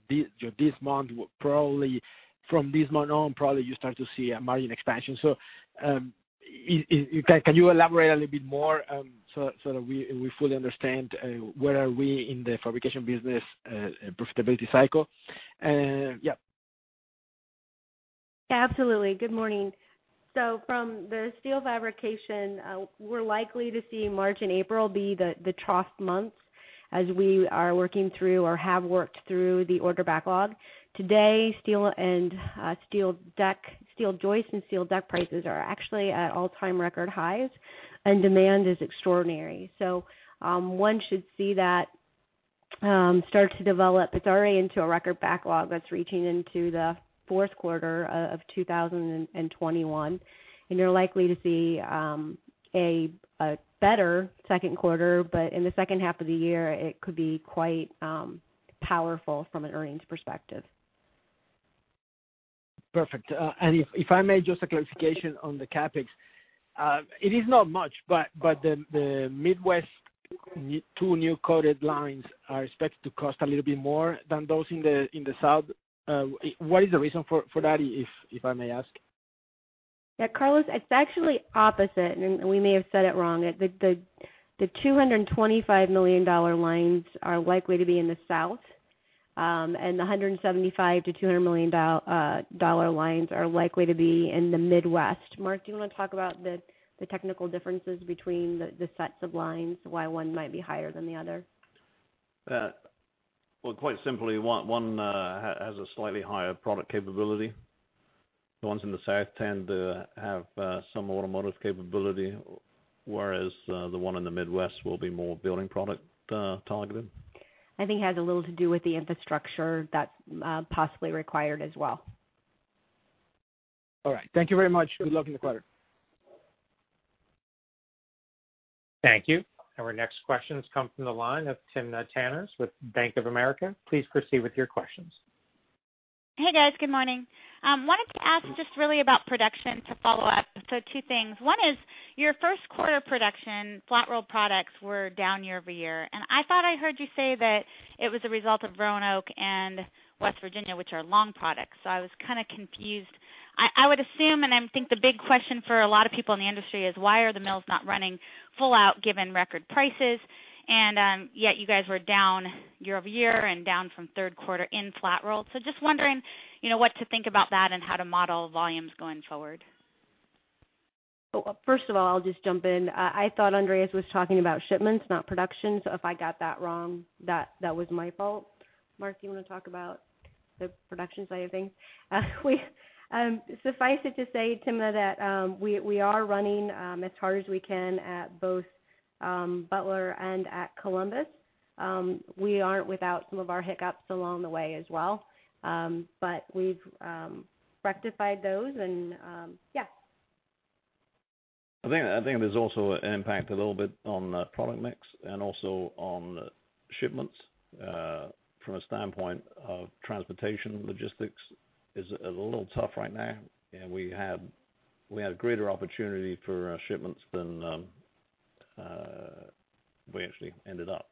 from this month on, probably you start to see a margin expansion. Can you elaborate a little bit more, so that we fully understand where are we in the fabrication business profitability cycle? Yeah. Absolutely. Good morning. From the steel fabrication, we're likely to see March and April be the trough months as we are working through or have worked through the order backlog. Today, steel joists and steel deck prices are actually at all-time record highs, and demand is extraordinary. One should see that start to develop. It's already into a record backlog that's reaching into the fourth quarter of 2021, and you're likely to see a better second quarter, but in the second half of the year, it could be quite powerful from an earnings perspective. Perfect. If I may, just a clarification on the CapEx. It is not much, but the Midwest two new coated lines are expected to cost a little bit more than those in the South. What is the reason for that, if I may ask? Yeah, Carlos, it's actually opposite, and we may have said it wrong. The $225 million lines are likely to be in the South, and the $175 million-$200 million lines are likely to be in the Midwest. Mark, do you want to talk about the technical differences between the sets of lines, why one might be higher than the other? Well, quite simply, one has a slightly higher product capability. The ones in the South tend to have some automotive capability, whereas the one in the Midwest will be more building-product targeted. I think it has a little to do with the infrastructure that's possibly required as well. All right. Thank you very much. Good luck in the quarter. Thank you. Our next question comes from the line of Timna Tanners with Bank of America. Please proceed with your questions. Hey, guys. Good morning. Wanted to ask just really about production to follow up. Two things. One is your first quarter production flat-roll products were down year-over-year, and I thought I heard you say that it was a result of Roanoke and West Virginia, which are long products. I was kind of confused. I would assume, I think the big question for a lot of people in the industry is why are the mills not running full out given record prices? Yet you guys were down year-over-year and down from third quarter in flat-roll. Just wondering, what to think about that and how to model volumes going forward. First of all, I'll just jump in. I thought Andreas was talking about shipments, not production. If I got that wrong, that was my fault. Mark, do you want to talk about the production side of things? Suffice it to say, Timna, that we are running as hard as we can at both Butler and at Columbus. We aren't without some of our hiccups along the way as well. We've rectified those. Yeah. I think there's also an impact a little bit on the product mix and also on shipments, from a standpoint of transportation, logistics is a little tough right now, and we had a greater opportunity for shipments than we actually ended up.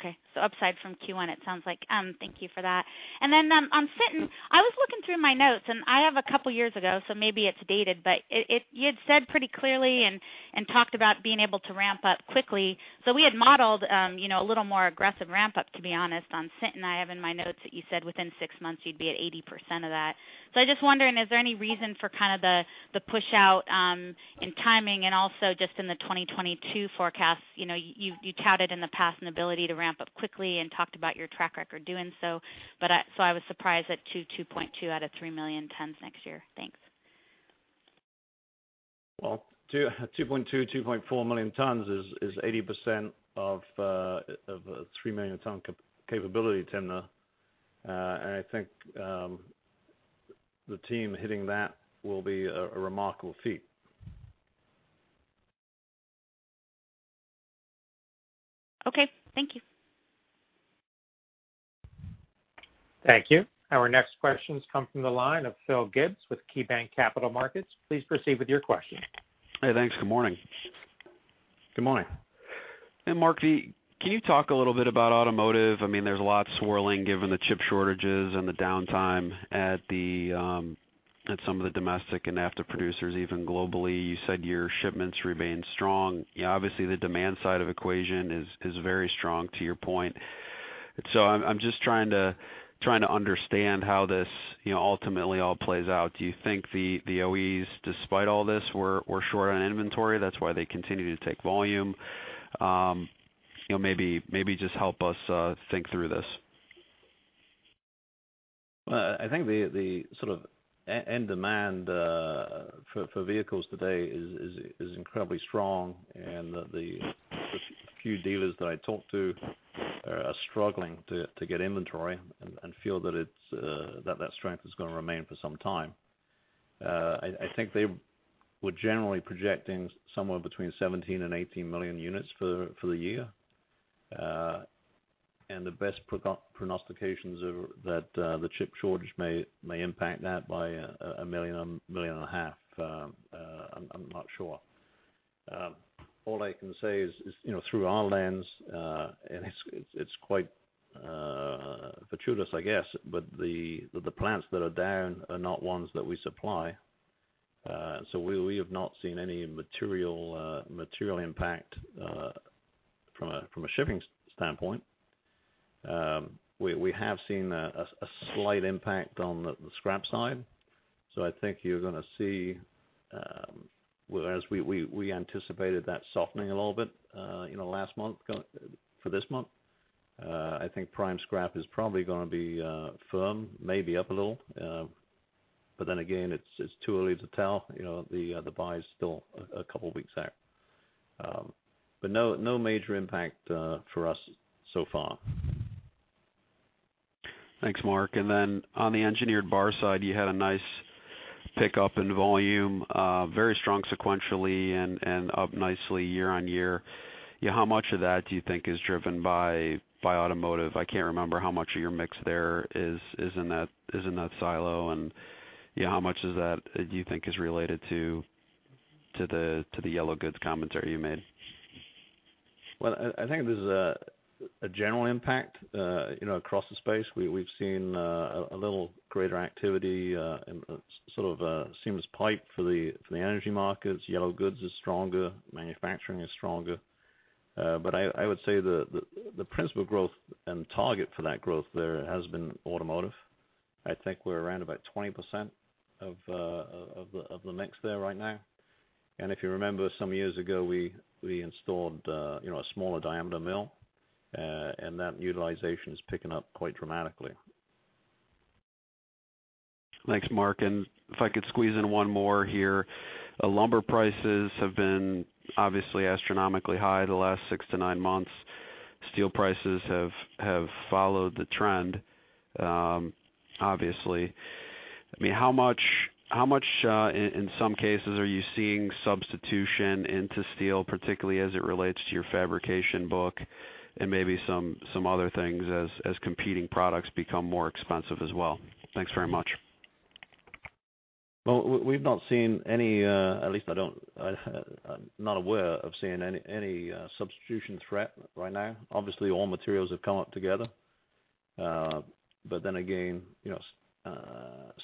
Okay. Upside from Q1, it sounds like. Thank you for that. On Sinton, I was looking through my notes, and I have a couple of years ago, so maybe it's dated, but you had said pretty clearly and talked about being able to ramp up quickly. We had modeled a little more aggressive ramp-up, to be honest, on Sinton. I have in my notes that you said within six months you'd be at 80% of that. I'm just wondering, is there any reason for kind of the push out in timing and also just in the 2022 forecast? You touted in the past an ability to ramp up quickly and talked about your track record doing so. I was surprised at 2.2 million out of 3 million tons next year. Thanks. Well, 2.2 million, 2.4 million tons is 80% of a three-million-ton capability, Timna. I think the team hitting that will be a remarkable feat. Okay. Thank you. Thank you. Our next question comes from the line of Phil Gibbs with KeyBanc Capital Markets. Please proceed with your question. Hey, thanks. Good morning. Good morning. Mark, can you talk a little bit about automotive? There's a lot swirling given the chip shortages and the downtime at some of the domestic auto producers, even globally. You said your shipments remain strong. Obviously, the demand side of equation is very strong, to your point. I'm just trying to understand how this ultimately all plays out. Do you think the OEs, despite all this, were short on inventory, that's why they continue to take volume? Maybe just help us think through this. I think the end demand for vehicles today is incredibly strong, and the few dealers that I talk to are struggling to get inventory and feel that that strength is going to remain for some time. I think they were generally projecting somewhere between 17 million and 18 million units for the year. The best prognostications are that the chip shortage may impact that by 1 million, 1.5 million. I'm not sure. All I can say is through our lens, and it's quite fortuitous, I guess, but the plants that are down are not ones that we supply. We have not seen any material impact from a shipping standpoint. We have seen a slight impact on the scrap side. I think you're going to see, as we anticipated that softening a little bit last month for this month. I think prime scrap is probably going to be firm, maybe up a little. Again, it's too early to tell. The buy's still a couple of weeks out. No major impact for us so far. Thanks, Mark. On the engineered bar side, you had a nice pickup in volume. Very strong sequentially and up nicely year-over-year. How much of that do you think is driven by automotive? I can't remember how much of your mix there is in that silo, and how much of that do you think is related to the yellow goods commentary you made? Well, I think there's a general impact across the space. We've seen a little greater activity in seamless pipe for the energy markets. Yellow goods is stronger. Manufacturing is stronger. I would say the principal growth and target for that growth there has been automotive. I think we're around about 20% of the mix there right now. If you remember some years ago, we installed a smaller diameter mill, and that utilization is picking up quite dramatically. Thanks, Mark. If I could squeeze in one more here. Lumber prices have been obviously astronomically high the last six to nine months. Steel prices have followed the trend, obviously. How much, in some cases, are you seeing substitution into steel, particularly as it relates to your fabrication book and maybe some other things as competing products become more expensive as well? Thanks very much. Well, we've not seen any, at least I'm not aware of seeing any substitution threat right now. All materials have come up together. But then again,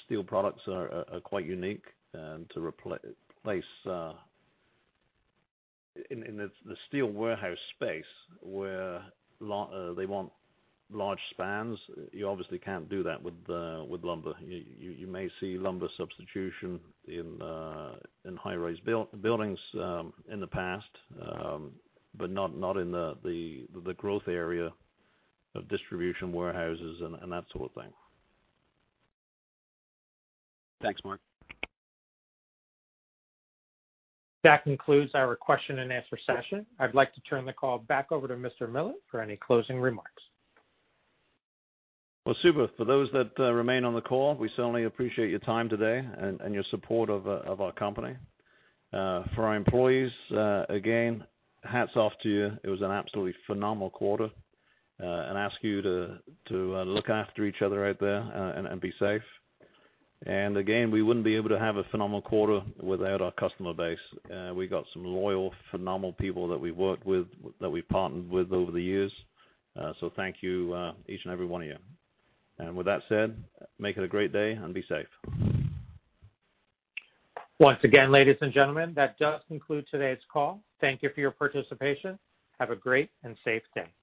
steel products are quite unique. In the steel warehouse space, where they want large spans, you obviously can't do that with lumber. You may see lumber substitution in high-rise buildings in the past, but not in the growth area of distribution warehouses and that sort of thing. Thanks, Mark. That concludes our question and answer session. I'd like to turn the call back over to Mr. Millett for any closing remarks. Well, Super. For those that remain on the call, we certainly appreciate your time today and your support of our company. For our employees, again, hats off to you. It was an absolutely phenomenal quarter, and ask you to look after each other out there and be safe. Again, we wouldn't be able to have a phenomenal quarter without our customer base. We got some loyal, phenomenal people that we worked with, that we partnered with over the years. Thank you, each and every one of you. With that said, make it a great day and be safe. Once again, ladies and gentlemen, that does conclude today's call. Thank you for your participation. Have a great and safe day.